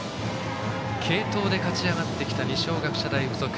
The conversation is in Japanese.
継投で勝ち上がってきた二松学舎大付属。